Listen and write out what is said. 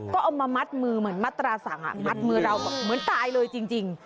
ก็เอามามัดมือเหมือนมัตราสั่งมัดมือเราแบบเหมือนตายเลยจริง